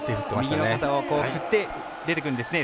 右の肩を振って出てくるんですね。